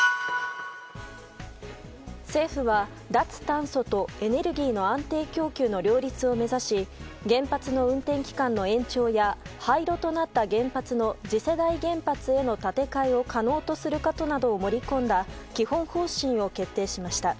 政府は脱炭素とエネルギーの安定供給の両立を目指し原発の運転期間の延長や廃炉となった原発の次世代原発への建て替えを可能とすることなどを盛り込んだ基本方針を決定しました。